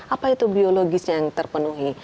apa itu biologis yang terpenuhi